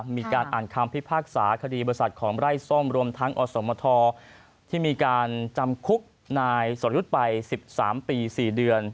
มีการอ่านคำพิพากษาคดีบริษัทของไร่ส้มรวมทั้งอสมทที่มีการจำคุกนายสรยุทธ์ไป๑๓ปี๔เดือน